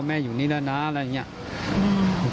อยู่นี่แล้วนะอะไรอย่างนี้